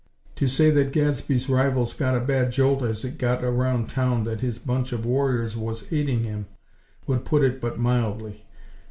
To say that Gadsby's rivals got a bad jolt as it got around town that his "bunch of warriors" was aiding him, would put it but mildly.